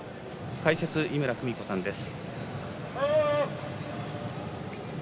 解説、井村久美子さんです。